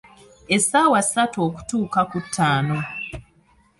Essaawa ssatu okutuuka ku ttaano.